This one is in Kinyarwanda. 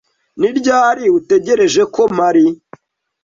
Ni ryari utegereje ko mpari?